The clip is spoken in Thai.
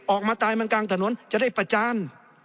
ออกมาตายมันกลางถนนจะได้ประจาน